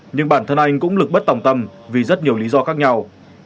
nhưng bản thân anh cũng lực bất tòng tâm vì rất nhiều lý do khác nhau